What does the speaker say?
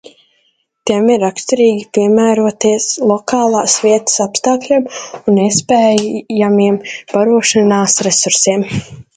Tiem ir raksturīgi piemēroties lokālās vietas apstākļiem un iespējamiem barošanās resursiem.